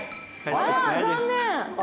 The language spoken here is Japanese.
あら残念！